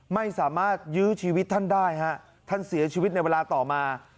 ไม่สามารถยื้อชีวิตท่านได้ฮะท่านเสียชีวิตในเวลาต่อมา